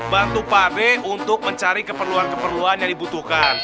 bantu pak ade untuk mencari keperluan keperluan yang dibutuhkan